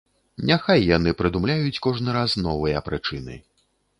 Няхай яны прыдумляюць кожны раз новыя прычыны.